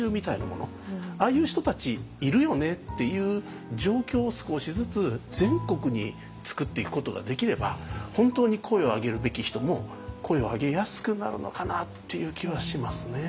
ああいう人たちいるよねっていう状況を少しずつ全国に作っていくことができれば本当に声を上げるべき人も声を上げやすくなるのかなっていう気はしますね。